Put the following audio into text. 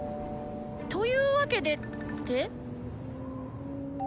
「というわけで」って。